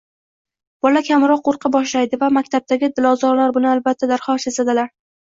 bola kamroq qo‘rqa boshlaydi va maktabdagi dilozorlar buni albatta darhol sezadilar.